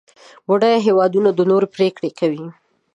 بډایه هېوادونه د نورو پرېکړې کوي.